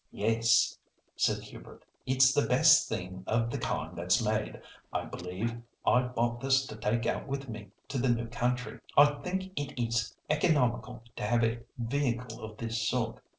"Yes," said Hubert. "It's the best thing of the kind that's made, I believe. I bought this to take out with me to the new country. I think it is economical to have a vehicle of this sort.